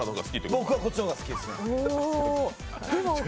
僕はこっちの方が好きです。